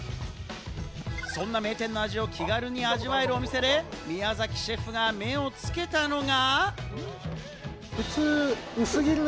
そんな名店の味を気軽に味わえるお店で宮崎シェフが目をつけたのが。